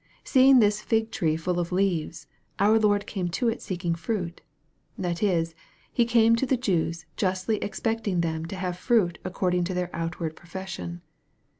Seeing this fig tree full of leaves, our Lord came to it seeking fruit, that is, He came to the Jews justly expecting them to have fruit according to their outward profession.